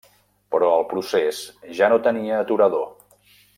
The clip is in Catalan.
Però el procés ja no tenia aturador.